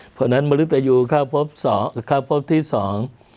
เพราะฉะนั้นมริตยูเข้าพบสองเข้าพบที่สอง